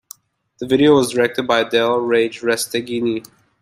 The video was directed by Dale "Rage" Resteghini.